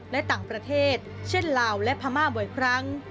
และต่างประเทศเช่นลาวและพม่าบ่อยครั้ง